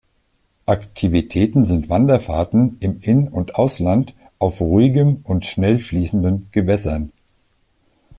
Aktivitäten sind Wanderfahrten im In- und Ausland auf ruhigem und schnell fließenden Gewässern.